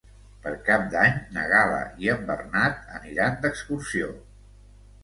Per Cap d'Any na Gal·la i en Bernat aniran d'excursió.